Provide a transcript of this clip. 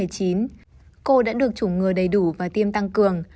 cô đã được chủng ngừa đầy đủ và tiêm tăng cường